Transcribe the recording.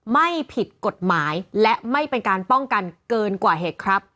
ไม่ผิดกฎหมายและไม่เป็นการป้องกันเกินกว่าเหตุครับ